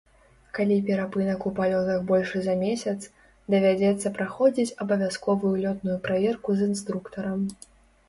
Калі перапынак у палётах большы за месяц, давядзецца праходзіць абавязковую лётную праверку з інструктарам.